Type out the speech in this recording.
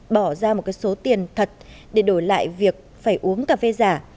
bỏ ra một số tiền thật để đổi lại việc phải uống cà phê giả